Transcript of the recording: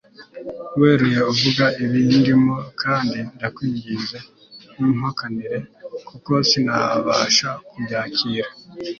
weruye uvuga ibindimo kandi ndakwinginze ntumpakanire kuko sinabasha kubyakira